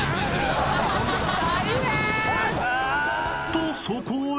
［とそこへ］